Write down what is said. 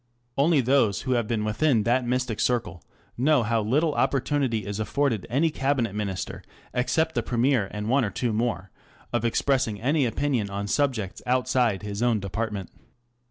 Only those who have been within that mystic circle know how little opportunity is afforded any Cabinet Minister, except the Premier and one or two more, of expressing any opinion on subjects outside his own department.